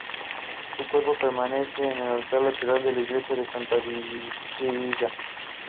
Freer was the eldest daughter born to the couple.